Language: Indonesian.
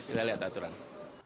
nah nanti kita lihat aja aturan aja